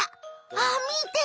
あっみて！